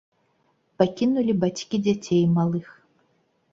Пакінулі бацькі дзяцей малых.